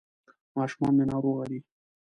ماشومان مي ناروغه دي ..